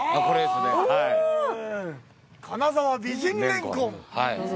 これですね、はい。